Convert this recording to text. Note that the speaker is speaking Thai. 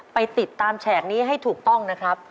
ไปติดตามแฉกนี้ให้ถูกต้องนะครับ